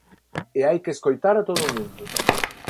E hai que escoitar a todo o mundo.